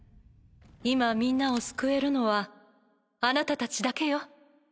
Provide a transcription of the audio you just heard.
今みんなを救えるのはあなたたちだけよ。